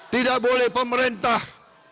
tidak boleh pemerintah